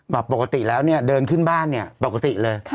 แบบปกติแล้วเดินขึ้นบ้านปกติเลย